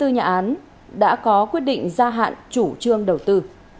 hai mươi nhà án đã có quyết định gia hạn chủ trương đầu tư